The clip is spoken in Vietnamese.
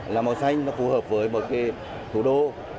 là màu xanh nó phù hợp với một cái thủ đô